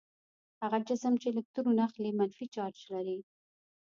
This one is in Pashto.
هغه جسم چې الکترون اخلي منفي چارج لري.